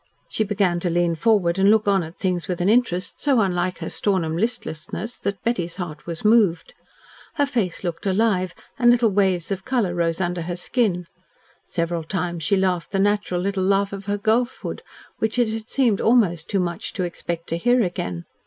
She began to lean forward and look on at things with an interest so unlike her Stornham listlessness that Betty's heart was moved. Her face looked alive, and little waves of colour rose under her skin. Several times she laughed the natural little laugh of her girlhood which it had seemed almost too much to expect to hear again.